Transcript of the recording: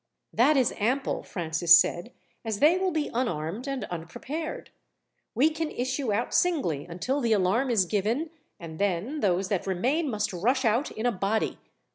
"That is ample," Francis said, "as they will be unarmed and unprepared. We can issue out singly until the alarm is given, and then those that remain must rush out in a body.